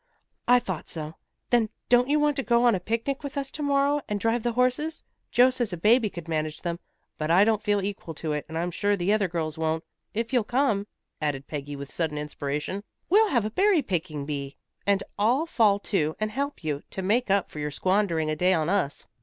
"I thought so. Then don't you want to go on a picnic with us to morrow and drive the horses? Joe says a baby could manage them, but I don't feel equal to it, and I'm sure the other girls won't. If you'll come," added Peggy with sudden inspiration, "we'll have a berry picking bee, and all fall to and help you, to make up for your squandering a day on us."